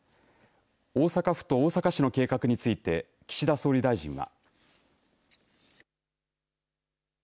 大阪府と大阪市の計画について岸田総理大臣は。